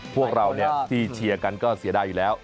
พวกเราที่เชียร์กันก็เสียดายอยู่แล้ว